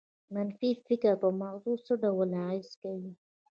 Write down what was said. منفي فکر په مغز څه ډول اغېز کوي؟